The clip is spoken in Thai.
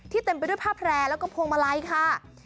ที่เต็มไปด้วยผ้าแพร่และกระโพงมาลัยค่ะ